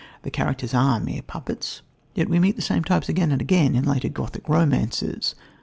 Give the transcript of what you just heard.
The characters are mere puppets, yet we meet the same types again and again in later Gothic romances.